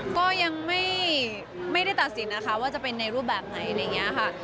ก็ยังไม่ได้ตัดสินนะคะว่าจะเป็นในรูปแบบไหนอะไรอย่างนี้ค่ะ